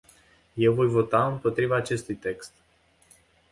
Eu voi vota împotriva acestui text.